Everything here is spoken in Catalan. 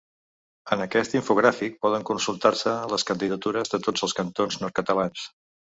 En aquest infogràfic poden consultar-se les candidatures de tots els cantons nord-catalans.